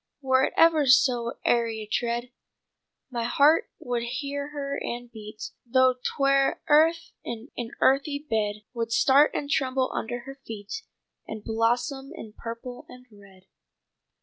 Were it ever so airy a tread My heart would hear her and beat Though 'twere earth in an earthy bed. Would start and tremble under her feet And blossom in purple and red.'"